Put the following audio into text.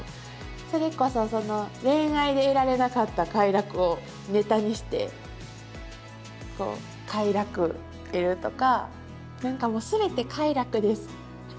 それこそ恋愛で得られなかった快楽をネタにして快楽得るとか何かもう全て快楽です。